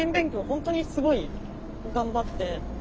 本当にすごい頑張って。